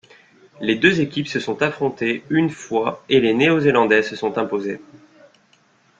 Les deux équipes se sont affrontées une fois et les néo-zélandais se sont imposés.